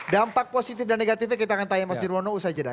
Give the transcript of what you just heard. dampak positif dan negatifnya kita akan tanya mas dirwono usai jeda